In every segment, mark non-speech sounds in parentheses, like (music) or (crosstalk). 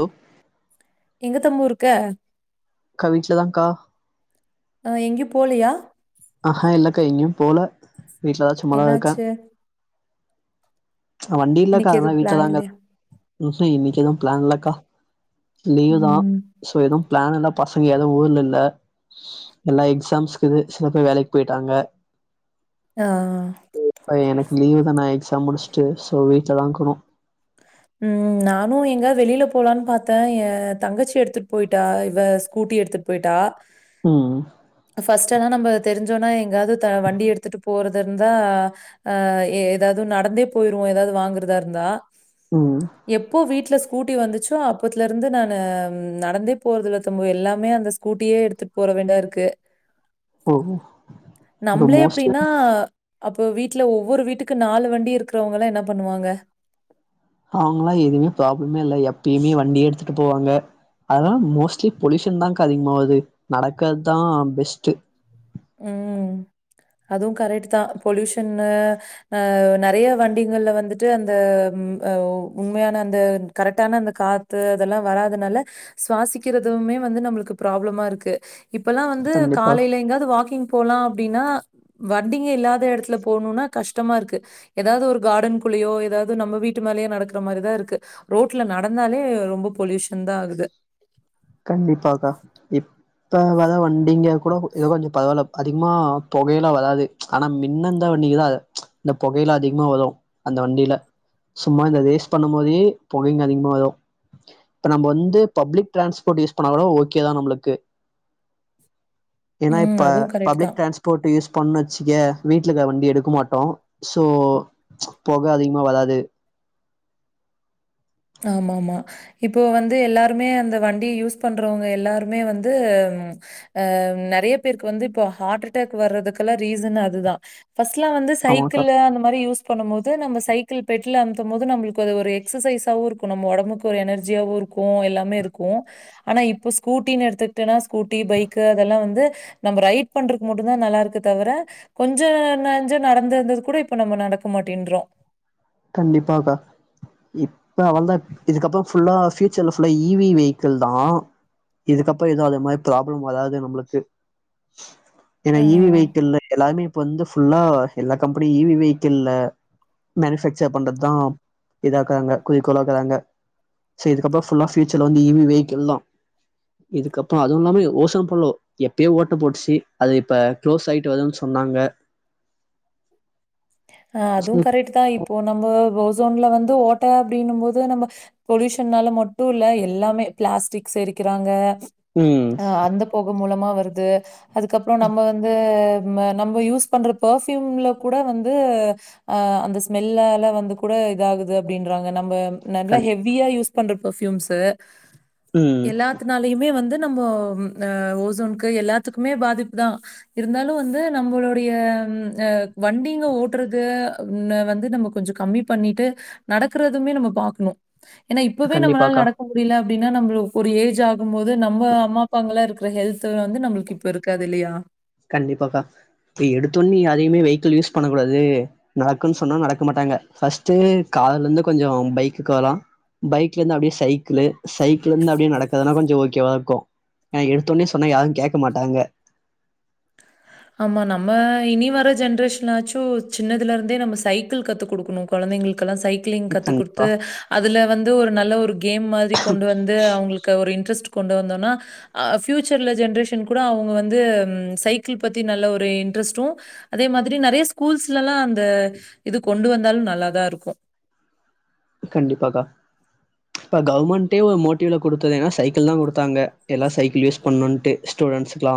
ஒ எங்க தம்மூ இருக்க க வீட்லதாக்கா அ எங்கியு போலயா ஆஹ இல்லக்கா எங்யு போல வீட்லதா சும்மாதா இருக்க என்னாச்சு? வண்டி இல்லக்கா இன்னைக்கு அதுனா எதுவும் பிளான் வீட்லதாகா இல்லையா? இன்னிக்கி எதுவு ப்ளான்லக்கா லீவுதா ம். சோ எதுவு ப்ளான் இல்ல பசங்க எது ஊர்ல இல்ல எல்லா எக்ஸாம்ஸ்குது சில பேர் வேலக்கு போய்ட்டாங்க ஆ. எனக்கு லீவுதானே எக் ஸாம் முடுச்டு சோ வீட்லதா இக்குணு ம் நானு எங்காது வெளில போலான் பாத்தே ஏ தங்கச்சி எடுத்துட் போய்ட்டா இவ ஸ்கூட் எடுத்துட்டு போய்ட்டா ம் ஃபர்ஸ்ட் எல்லா நம்ம தெரிஞ்சோனா எங்காது த வண்டி எடுத்துட்டு போறது இருந்தா அ ஏதாது நடந்தே போய்ருவோ ஏதாவது வாங்கறதா இருந்தா ம் எப்போ வீட்ல கூட்டி வந்துச்சோ அப்பத்ல இருந்து நானு நடந்தே போறதல்ல தம்பி எல்லாமே அந்த ஸ்கூட்டியே எடுத்துட்டு போற வேண்டா இருக்கு ஓ இப்ப நம்ளே மோஸ்ட்லி இப்டின்னா அப்போ வீட்ல ஒவ்வொரு வீட்டுக்கு நாலு வண்டி இருக்கறவங்கல்லா என்ன பண்ணுவாங்க அவுங்களா எதுவுமே ப்ராப்ளமே இல்ல எப்பயுமே வண்டியே எடுத்துட்டு போவாங்க அதனால மோஸ்ட்லி பொல்யூஷன்தாகா அதிகமாவுது நடக்கதுதா பெஸ்டு ம் அதுவு கரெட்டுதா பொல்யூஷன்னு அ நெறைய வண்டிங்கள்ல வந்துட்டு அந்த அ உண்மையான அந்த கரெட்டான அந்த காத்து அதெல்லா வராதுனால சுவாசிக்கிறதும் இன்னுமே வந்து நம்ளுக்கு ப்ராப்ளமா இருக்கு இப்பல்லா வந்து கண்டிப்பா காலைல எங்காவது வாக்கிங் போலா அப்டின்னா வண்டிங்க இல்லாத எடத்துல போணும்னா கஷ்டமா இருக்கு ஏதாது ஒரு கார்டன் குள்ளயோ ஏதாது நம்ம வீட்டு மேலயே நடக்ற மாரிதா இருக்கு ரோட்ல நடந்தாலே ரொம்ப பொல்யூஷன்தா ஆகுது (inaudible) (unintelligible) கண்டிப்பாக்கா இப் இப்ப வர வண்டிங்க கூட ஏதோ கொஞ்ச பரவால்ல அதிகமா பொகையல்லா வராது ஆனா மின்னந்த பண்ணிக்குதா அத இந்த பொகைல அதிகமா வரு அந்த வண்டில சும்மா இந்த ரேஸ் பண்ணு போதே பொகைங்க அதிகமா வரு இப்ப நம்ம வந்து பப்ளிக் ட்ரான்ஸ் போட் யூஸ் பண்ணா கூட ஓகேதா நம்மளுக்கு ஏன்னா ம். இப்ப அதுவும் கரெக்ட் பப்ளிக் தான். ட்ரான்ஸ்போர்ட் யூஸ் பண்ண வச்சுக்கே வீட்ல இருக்க வண்டி எடுக்க மாட்டோ சோ பொக அதிகமா வராது ஆமாமாமா இப்போ வந்து எல்லாருமே அந்த வண்டி யூஸ் பண்றவங்க எல்லாருமே வந்து அ நெறைய பேருக்கு வந்து இப்போ ஹார்ட் அட்டாக் வர்றதுக்கெல்லா ரீசன் அதுதா ஃபர்ஸ்ல வந்து ஆமாக்கா சைக்கிளு அந்த மாரி யூஸ் பண்ணும்போது நம்ம சைக்கிள் பெட்ல அமுத்தும் போது நம்மளுக்கு அது ஒரு எக்ஸசைஸ் இருக்கு நம்ம ஒடம்புக்கு ஒரு எனர்ஜியாவு இருக்கு எல்லாமே இருக்கு ஆனா இப்ப ப ஸ்கூட்டின்னு எடுத்துக்டனா ஸ்கூட்டி பைக்கு அதெல்லா வந்து நம்ம ரைட் பண்றக்கு மட்டும்தா நல்லா இருக்கு தவுர கொஞ்ச நஞ்ச நடந்திருந்தது கூட இப்ப நம்ம நடக்க மாட்டேன்றோ கண்டிப்பாக்கா இப்ப அவ்வள்தா இதுக்கப்ற ஃபுல்லா ஃபியூச்சர்ல ஃபுல்லா ஈ வி வெஹிக்கள்தா இதுக்கப்ற எது அது மாரி பராப்ளம் வராது நம்ளுக்கு ஏன்னா இ வி ஆ. வெஹிக்கிள்ள எல்லாமே இப்ப வந்து ஃபுல்லா எல்லா கம்பெனி இ வி வெஹிக்கள்ள மேனுஃபேக் ச்ச பண்றதுதா இதாக்குறாங்க குறிக்கோளாக்குறாங்க ச இதுக்கப்புற ஃபுல்லா ஃபியூச்சர்ல வந்து இ வி வெஹிக்கிள்தா இதுக்கப்ற அதுவு இல்லாம ஓசன் போலோ எப்பையோ ஓட்ட போட்டுச்சு அத இப்ப க்ளோஸ் ஆயிட்டு வருதுன்னு சொன் நாங்க அ அதுவு கரெட்டுதா இப்போ நம்ம ஓசோன்ல வந்து ஓட்ட அப்டினும் போது நம்ம பொல்யூஷனால மட்டும் இல்ல எல்லாமே பிளாஸ்டிக்ஸ் தெரிக்கிறாங்கா ம் அ அந்த போக மூலமா வருது அதுக்கப்ரோ நம்ம வந்து நம்ம யூஸ் பண்ற பர்ஃயூம்ல கூட வந் து ஆ அந்த ஸ்மெல்லால வந்து கூட இதாகுது அப்படின்றாங்க நம்ப நல்லா கண் ஹெவியா யூஸ் பண்ற பெர்ஃப்யூம்ஸ் ம் எல்லாத்துனாலயுமே வந்து நம்ம அ ஓசோனுக்கு எல்லாத்துக்குமே பாதிப்பு தான் இருந்தாலும் வந்து நம்பளுடைய ம் அ வண்டி ஓட்டுறது ம் வந்து நம்ம கொஞ்சோ கம்மி பண்ணிட்டு நடக்கறதுமே நம்ம பாக்கணு என்னா இப்பவே நம்மளால கண்டிப்பாக்கா நடக்க முடியல அப்டின்னா நம்மளுக்கு ஒரு ஏஜ் ஆகு போது நம்ம அம்மா அப்பாங்கல்லா இருக்கிற ஹெல்த் வந்து நம்மளுக்கு இப்ப இருக்காது இல்லையா கண்டிப்பாக்கா இப்ப எடுத்தோடனே யாரையுமே வெஹிகள் யூஸ் பண்ண கூடாது நடக்குன்னு சொன்னா நடக்க மாட்டாங் ங்க ஃபர்ஸ்ட் கார்லந்து கொஞ்சோ பைக்குக்கு வர்லா பைக்லந்து அப்டியே சைக்கிள் சைக்கிளிருந்து அப்டியே நடக்குறதுனா கொஞ்சோ ஓகேவா இருக்கு என்ன எடுத்தோடனே சொன்னா யாரு கேட்க மாட்டாங்க ஆமா நம்ம இனி வர ஜென்ரேஷனாச்சு சின்னதுல இருந்தே நம்ம சைக்கிள் கத்து கொடுக்கணு குழந்தைங்களுக் கல்லா சைக்கிளிங் கத்து கண்டிப்பா கொடுத்து அதுல வந்து ஒரு நல்ல ஒரு கேம் மாரி கொண்டு வந்து அவங்களுக்கு ஒரு இன்ட்ரெஸ்ட் கொண்டு வந்தோனா பியூச்சர்ல ஜென்ரேஷன கூட அவங்க வந்து சைக் கல் பத்தி நல்ல ஒரு இன்ட்ரெஸ்ட்டு அதே மாரி நறைய ஸ்கூல்ஸ்லெல்லா அந்த இது கொண்டு வந்தாலு நல்லாதா இருக்கூ கண்டிப்பக்கா இப்ப கவர்மெண்ட்டே ஒரு மோட்டிவ்ல கொடுத்தது ஏனனா சைக்கிள் தா கொடுத்தாங்க யெல்லா சைக்கிள் யூஸ் பண்ணுட்டு ன்ஸுக்கலா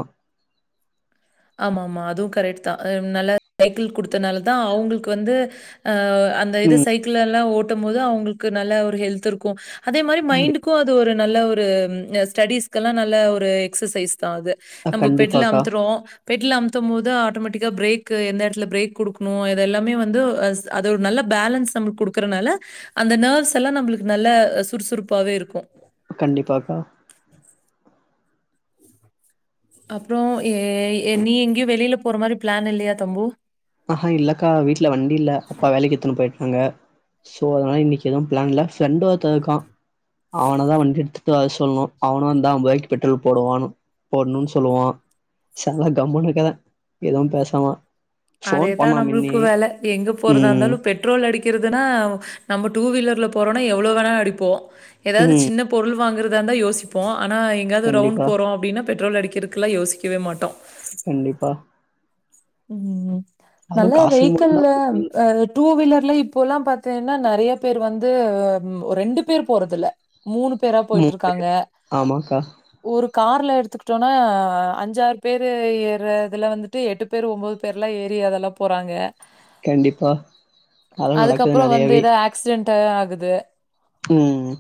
ஆமா ஆமா அதுவு கரெக்ட் தா நல்லா சைக்கிள் கொடுத்தனால தா அவங்களுக்கு வந்து அ அந்த இது ம் சைக்கிள் எல்லா ஓட்டு போது அவங்களுக்கு நல்ல ஒரு ஹெல்த் இருக்கு அதே மாரி கண்டி மைண்டுக்கு அது ஒரு நல்ல ஒரு ஸ்டெடிஸ்க்கெல்லா நல்ல ஒரு எக்சசைஸ் தா அது அ நம்ப பெட்ல கண்டிப்பாக்கா அமுத்றோ பெட்டில அமுத்து போது ஆட்டோமேட்டிக்கா பிரேக் எந்த எடத்துல பிரேக் கொடுக்கணு இதுயெல்லாமே வந்துஸ் அது ஒரு நல்ல பேலன்ஸ் நம்மளுக்கு கொடுக்குறனால அந்த நெர்வ்ஸ் யெல்லா நம்மளுக்கு நல்ல சுறுசுறுப்பாவே இருக்கு கண்டிப்பாக்கா அப்ரோ எ நீ எங்கேயு வெளில போற மாரி பிளான் இல்லையா தம்பு ஆஹா இல்லக்கா வீட்ல வண்டியில்ல அப்பா வேலைக்கு எத்தன்னு போயிட் டாங்க ஸோ அதனால இன்னைக்கு எதுவு பிளான் இல்ல ஃப்ரெண்ட ஒருத்த இருக்கா அவனதா வண்டி எடுத்துட்டு வர சொல்லணு அவனு வந்தா பைக் பெட்ரோல் போடுவான் போடுணு சொல்லுவா சல்ல கம்னுயிருக்க ஏதுவு பேசாம ஃபோன் அதேதா பண்ணா மின்னி நம்மளுக்கு வேல எங்க போறதா ம் இருந்தாலு பெட்ரோல் அடிக் கிறதுனா நம்ம டூ வீலர்ல போறோனா எவ்வளோ வேணா அடிப்போ ஏதாது ம் சின்ன பொருள் வாங்குற அத இருந்தா யோசிப்போ ஆனா எங்காயவது ரவுண்டு கண்டிப்பா போரோ அப்டின்னா பெட்ரல் அடிக்கிறதுலா யோசிக்கவே மாட்டோ கண்டிப்பா ம் அதுவு நல்ல காசுக்கு மட்டுந்தா வெஹிக்கல்ல அஹ் டூ வீலர்ல இப்போ எல்லா பாத்தீனா நறைய பேர் வந்து ரெண்டு பேர் போறது இல்ல மூணு பேரா ம் போயிட்டுருக்காங்க ஆமாக்கா ஒரு கா ர்லா எடுத்துக்குட்டோனா அஞ்சாறு பேர் ஏறதுல வந்துட்டு எட்டு பேர் ஒம்போது பேர்லா ஏறி அதெல்லா போறாங்க கண்டிப்பா அதெல்லா நடக்குது அதுக்கப்ரோ வந்து நெறையாவே ஏதோ ஆக்சிடென்டு ஆகுது ம்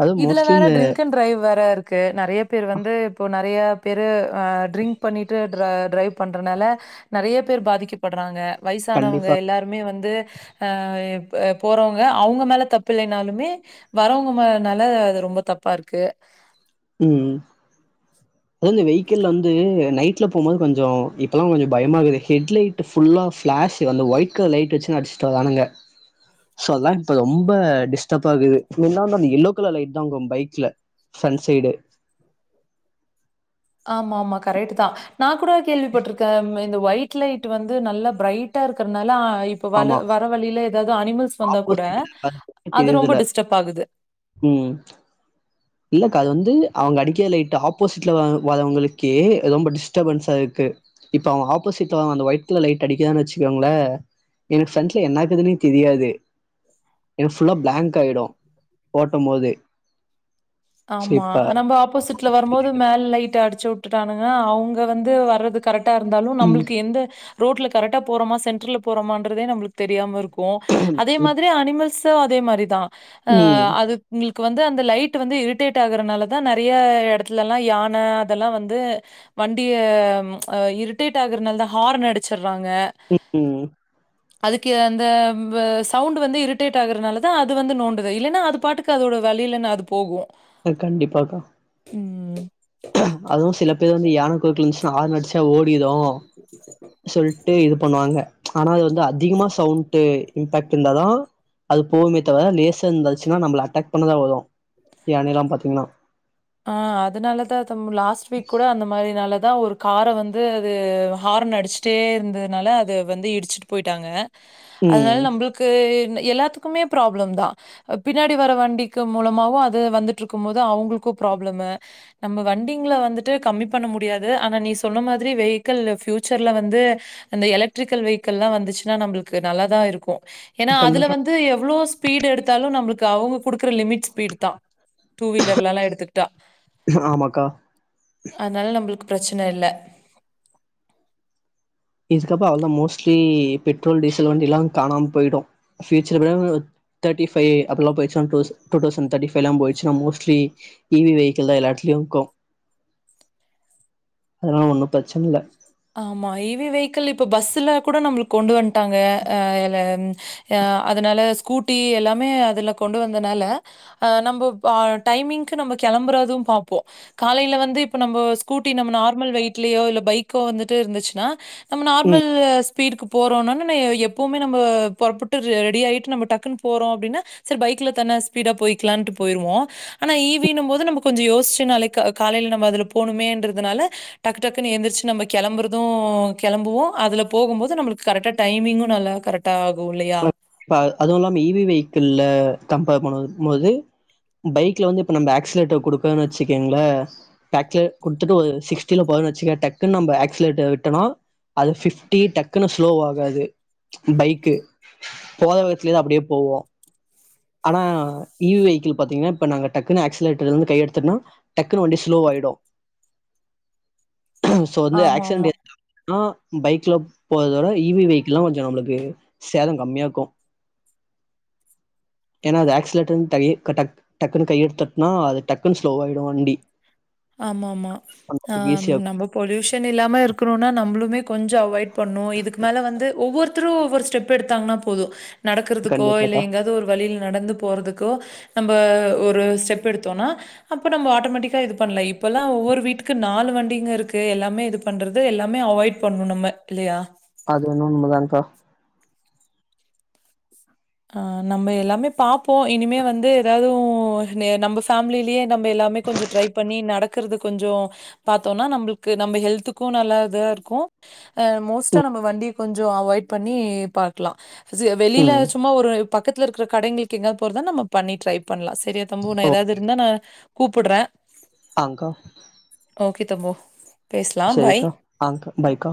அதுவு இதுல மோஸ்ட்லி வேற இந்த ட்ரிங்க் அண்ட் டிரைவ் வேற இருக்கு நறைய பேர் வந்து இப்போ நறையா பேரு ஆ ட்ரிங்க் பண்ணிட்டு டிர டிரைவ் பண்றதுனால நறைய பேர் பாதிக்கப்படுறாங்க வயசானவங்க கண்டிப்பா எல்லாருமே வந்து போறவங்க அவுங்க மேல தப்ப இலைனாலுமே வரவங்க மே னால அது ரொம்ப தப்பாருக்கு ம் அத இந்த வெஹிக்கல்ல வந்து நைட்ல போவு போது கொஞ்சோ இப்பெல்லா கொஞ்சோ பயமாகுது ஹெட் லைட் ஃபுல்லா பிளாஷ் ஆஸ் வந்த ஒயிட் கலர் லைட் வச்சுனு அடிச்சுட்டு வரானுங்க சோ அதா இப்ப ரொம்ப டிஸ்டர்ப் ஆகுது (unintelligible) அந்த எல்லோ கலர் லைட் தா உங்க பைக்ல ஃப்ரண்ட் சைடு ஆமா ஆமா கரெக்ட் தா நா கூட கேள்விப்பட்டிருக்கேன் இந்த ஒயிட் லைட் வந்து நல்ல பிரைட்டா இருக்கிறதுனால இப்ப வ ஆமா வர வழியில ஏதாவது அனிமல்ஸ் வந்தா கூட ஆப்போசிட்ல அது ரொம்ப தெரியுதுல டிஸ்டர்ப ஆகுது ம் இல்லக்கா அது வந்து அவங்க அடிக்கையில லைட்டு ஆப்போசிட்ல வரவங்களுக்கே ரொம்ப டிஸ்டர்பன்ஸா இருக்கு இப்ப அவங்க ஆப்போசிட்ல அந்த ஒய்ட் கலர் லைட் அடிக்கதான்னு வச்சுக்கோங்கள எனக்கு ஃப்ரெண்ட்ல என்னக்குதுன்னே தெரியாது எனக்கு ஃபுல்லாக பிளாங்க் ஆகிடும் ஓட்டும் போது சோ ஆமா இப்ப நம்ம ஆப்போசிட்ல வரும்போது மேல் லைட் ஆடுச் ச்சுவுட்டுட்டானுங்க அவங்க வந்து வர்றது கரெக்டா இருந்தாலும் ம் நம்மளுக்கு எந்த ரோட்ல கரெக்டா போறோமா சென்ட்ரல போறோமன்ரதே நம்மளுக்கு தெரியாம இருக்கூ அதே இப் மாதிரி அனிமல்ஸ் ட்சு அதே மாரி தா ம் அதுங்களுக்கு வந்து அந்த லைட் வந்து இருட் டேட் ஆகுறதுனால தா நறைய எடத்துலல்லாம் யான அதெல்லாம் வந்து வண்டிய இரிட்டேட் ஆகுறனால தான் ஹார்ன் அடிச்சடுறாங்க ம் அதுக்கு அந்த ப சவுண்ட் வந்து இரிட்டேட் ஆகுறனால தான் அது வந்து நோண்டுது இல்லன்னா அது பாட்டுக்கு அதோட வழில அது போகும் கண்டிப்பாக்கா உம் அதுவும் சில பேர் வந்து யானை குருக்கல இருந்துச்சுன்னா ஆறன் அடிச்சா ஓடிடும் சொல்ட்டு இது பண்ணுவாங்க ஆனா அது வந்து அதிகமா சவுண்ட் இம்பாக்ட் இருந்தாதா அது போவுமே தவிர லேசர் இருந்தாச்சுன்னா நம்பள அட்டாக் பண்ணதா வரும் யானைலாம் பாத்தீங்கன்னா ஆஹ் அதனாலதான் தம்பு லாஸ்ட் வீக் கூட அந்த மாதிரி நாலதான் ஒரு காரை வந்து அது ஹார்ன் அடிச்சிட்டே இருந்ததுனால அது வந்து இடிச்சிட்டு போயிட்டாங்க அதனால ம் நம்மளுக்கு எல்லாத்துக்குமே ப்ராப்ளம் தான் பின்னாடி வர வண்டிக்கு மூலமாகும் அது வந்துட்டு இருக்கும் போது அவங்களுக் ப்ராப்ளம் நம்ம வண்டிங்கள வந்துட்டு கம்மி பண்ண முடியாது ஆனா நீ சொன்ன மாதிரி வெஹிக்கள் ஃபியயூச்சர்ல வந்து அந்த எலக்ட்ரிக்கல் வெஹிக்கள்ல்லாம் வந்துச்சுன்னா நம்பளுக்கு நல்ல தா இருக்கும் ஏனா அதுல கண்டிப்பா வந்து எவ்வளோ ஸ்பீட் எடுத்தாலும் நம்மளுக்கு அவங்க குடுக்குற லிமிட் ஸ்பீட் தான் டூ வீலர்லல்லாம் எடுத்துக்கிட்டா ஆமாக்கா பிரச்சன இல்ல அதுக்கப்பரோ வந்து மோஸ்ட்லி பெட்ரோல் டீசல் வண்டிய எல்லாம் கானாம போயிடும் ஃபியூச்சர் தேட்டிஃபைவ் அப்படலாம் போயடுச்சுனா டூ தௌசண்ட தேர்டி ஃபைவலாம் போயிடுசுனா மோஷ்ட்லி இவி வெஹிள் தான் எல்லா இடத்திலயும் இக்கும் (inaudible) அதனால ஒன்னு பிரச்சன இல்ல ஆமா இவி வெஹிக்கள் இப்ப பஸ்ல கூட நம்மளுக்கு கொண்டு வந் ட்டங்க ல அதனால ஸ்கூட்டி எல்லாமே அதுல கொண்டு வந்தனால நம்ம டைமிங்க்கு நம்ம கிளம்புறதும் பாப்போம் காலையில வந்து இப்ப நம்ம ஸ்கூட்டி நம்ம நார்மல் வெயிட்லேயோ இல்ல பைக் வந்துட்டு இருந்துச்சுன்னா நம்ம ம் நார்மல் ஸ்பீடுக்கு போறோம்னா எப்பவுமே நம்ம புறப்பட்டு ரெடி ஆகிட்டு நம்ம டக்குன்னு போறோம் அப்படினா சரி பைக்ல தான ஸ்பீடா போ போய்கலாம்னு போயிருவோம் ஆனா ஈவீ போது நம்ம கொஞ்சோ யோசிச்ச காலையையில் நம்ம அதுல போணுமே ல டக்கு டக்குன்னு எந்திரச்சு நம்ம கிளம்புறதும் கிளம்புவோம் அதுல போகும் போது நம்ளுக்கு கரெக்டா டைமிங்கும் நல்லா கரெக்டா ஆகு அதுவும் இல்லாம இவி வெஹிக்கிள்ள கம்பேர் பண்ண மோது பைக்ல வந்து இப்ப நம்ம ஏக்சிலட்டர் கொடுக்கன்னு வச்சக்கங்களே ஏக்சிலட்டர் கொடுத்துட்டு ஒரு சிக்ஸ்டில போ வச்சுக்க டக்குன்ன நம்ம ஆக்சலேட்டர் விட்டனா அதுப்டி டக்குன்னு ஸ்லோ ஆகாது பைக்கு போர வேகத்துல தான் அப்படியே போவோம் ஆனா இவி வெஹிக்கிள் பாத்தீங்கன்னா இப்ப நாங்க டக்குன்னு ஆக்சலேட்டர் இருந்து கை எடுத்தும்னா டக்குன்ன வண்டி ஸ்லோவ ஆயிடும் (unintelligible) சோ வந்து ஆமாமா. ஆக்சிடெட் ஆகுதுனா பைக்ல போறதோட இவி வெஹிக்கிள்ல்லாம் கொஞ்சோ நம்மளுக்கு சேதோ கம்மியா இக்கூ ஏனா அது ஆக்சலேட்டர் டக்குன்னு கையெடுத்துட்டுனா அது டக்குன்னு ஸ்லோவயிடும் வண்டி ஆமா ஆமா ஆ ஈஸியா இருக்கு நம்ம பொல்யூஷன் இல்லாம இருக்கணும்னா நம்மளுமே கொஞ்சோ அவாய்ட் பண்ணும் இதுக்கு மேல வந்து ஒவ்வொருதரும் ஒவ்வொரு ஸ்டெப் எடுத்தாங்கன்னா போதும் நடக்கறிறதுக்கோ இல்ல கண்டிப்பாக்கா எங்கதாது ஒரு வழியில் நடந்து போறதுக்கோ நம்ம ஒரு ஸ்டெப் எடுத்தோம்னா அப்ப நம்ம ஆட்டோமேட்டிக்கா இது பண்ணல இப்பல்லாம் ஒவ்வொரு வீட்டுக்கு நாலு வண்டிங்க இருக்கு எல்லாமே இது பண்றது எல்லாமே அவாய்ட் பண்ணணும் நம்ம இல்லையா அது எனமோ உன்மதாங்கா ஆஹ் நம்ம எல்லாமே பாப்போம் இனிமே வந்து ஏதாது நம்ப ஃபாமிலயே நம் எல்லாமே கொஞ்சோ ட்ரை பண்ணி நடக்கறது கொஞ்சோ பாத்தோனா நம்ளுக் கு நம்ப ஹெல்த்துக்கூ நல்லாதா இருக்கூ மோஸ்ட்டா ம் நம்ம வண்டிய கொஞ்சோ அவாய்ட் பண்ணி பாக்கலாம் வெளியில ம் சும்மா ஒரு பக்கத்து இருக்க கடைளுக்கு எங்க போறதான் நம்ம பண்ணி ட்ரை பண்ணலாம் சரிய தம்பு நா ஓ ஏதாது இருந்தா நா கூப்புடுற ஆங்க்கா ஓகே தம்பு பேசலாம் பாய் செரிக்கா ஆங்க்கா பாய்க்கா